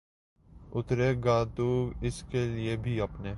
اترے گا تو اس کے لیے بھی اپنے